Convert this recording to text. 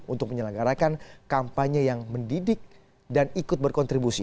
untuk menyelenggarakan kampanye yang mendidik dan ikut berkontribusi